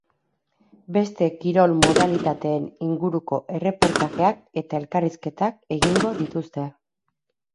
Beste kirol modalitateen inguruko erreportajeak eta elkarrizketak egingo dituzte.